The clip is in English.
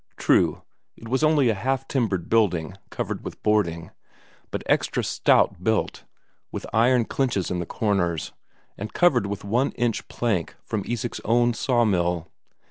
True, it was only a half timbered building covered with boarding, but extra stout built, with iron clinches at the corners, and covered with one inch plank from Isak's own sawmill.